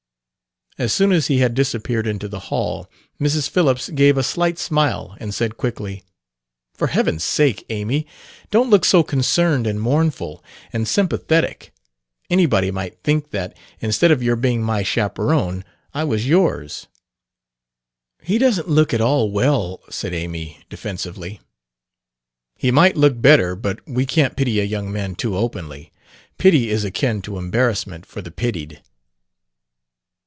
As soon as he had disappeared into the hall, Mrs. Phillips gave a slight smile and said quickly: "For heaven's sake, Amy, don't look so concerned, and mournful, and sympathetic! Anybody might think that, instead of your being my chaperon, I was yours!" "He doesn't look at all well," said Amy defensively. "He might look better; but we can't pity a young man too openly. Pity is akin to embarrassment, for the pitied."